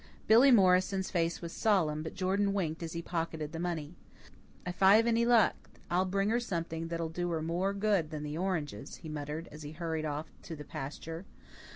Billy Morrison's face was solemn, but Jordan winked as he pocketed the money. "If I've any luck, I'll bring her something that'll do her more good than the oranges," he muttered, as he hurried off to the pasture.